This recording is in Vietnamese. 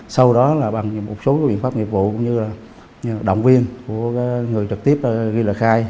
sau đó là bằng một số biện pháp nghiệp vụ cũng như là động viên của người trực tiếp ghi lời khai